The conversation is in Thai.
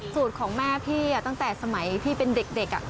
สูตรของแม่พี่ตั้งแต่สมัยพี่เป็นเด็ก